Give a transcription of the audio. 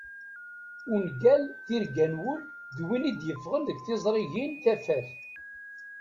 Ungal tirga n wul d win i d-yeffɣen deg tiẓrigin Tafat.